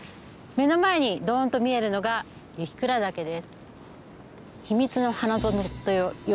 目の前にドンと見えるのが雪倉岳です。